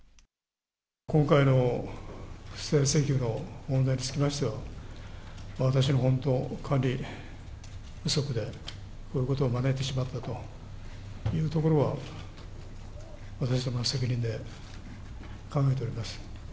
今回の不正請求の問題につきましては、私の本当、管理不足でこういうことを招いてしまったというところは、私どもの責任で考えております。